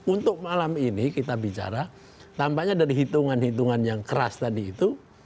untuk malam ini kita bicara tampaknya dari hitungan hitungan yang keras tadi itu